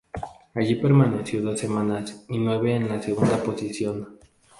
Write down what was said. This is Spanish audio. Allí permaneció dos semanas, y nueve en la segunda posición.